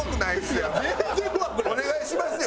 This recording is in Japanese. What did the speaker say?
お願いしますよ！